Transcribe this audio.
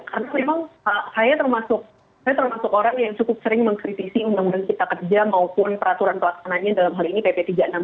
karena memang saya termasuk orang yang cukup sering mengkritisi undang undang cipta kerja maupun peraturan pelaksananya dalam hal ini pp tiga puluh enam dua ribu dua puluh satu